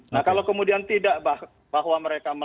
nah kalau kemudian tidak bahwa mereka